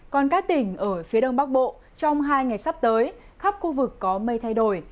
còn các tỉnh ở phía đông bắc bộ trong hai ngày sắp tới khắp khu vực có mây thay đổi